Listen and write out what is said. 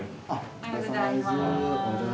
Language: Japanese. おはようございます。